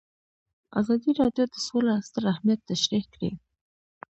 ازادي راډیو د سوله ستر اهميت تشریح کړی.